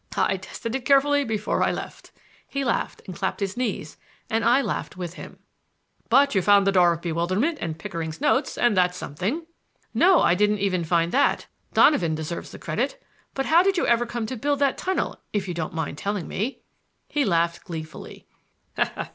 I tested it carefully before I left." He laughed and clapped his knees, and I laughed with him. "But you found the Door of Bewilderment and Pickering's notes, and that's something." "No; I didn't even find that. Donovan deserves the credit. But how did you ever come to build that tunnel, if you don't mind telling me?" He laughed gleefully.